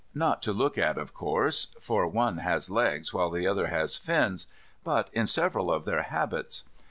Not to look at, of course, for one has legs while the other has fins; but in several of their habits.